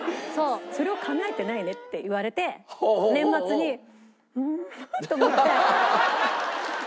「それをかなえてないね」って言われて年末に「うん」と思って。